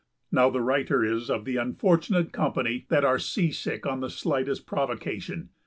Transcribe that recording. Now the writer is of the unfortunate company that are seasick on the slightest provocation.